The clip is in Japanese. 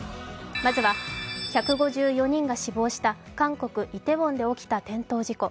まずは１５４人が死亡した韓国イテウォンで起きた転倒事故。